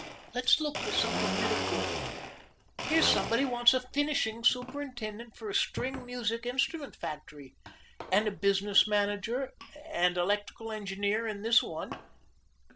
"Let's look for something really good. Here's somebody wants a finishing superintendent for a string music instrument factory, and a business manager and electrical engineer in this one.